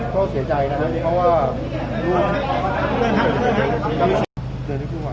ก็เสียใจนะเพราะว่า